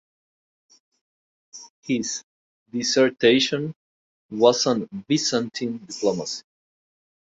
His dissertation was on Byzantine diplomacy.